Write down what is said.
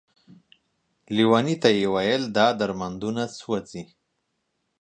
ليوني ته يې ويل دا درمند ونه سوځې ،